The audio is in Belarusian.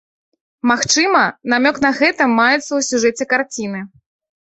Магчыма, намёк на гэта маецца ў сюжэце карціны.